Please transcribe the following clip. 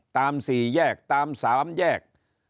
ตามสี่แยกตามสามแยก